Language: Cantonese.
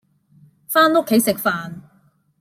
返屋企食飯